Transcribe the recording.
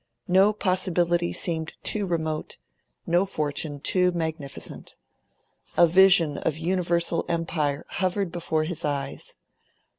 No possibility seemed too remote, no fortune too magnificent. A vision of universal empire hovered before his eyes.